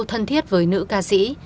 thân thiết với nữ ca sĩ